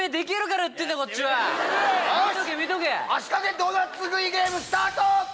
足掛けドーナツ食いゲーム、スタート。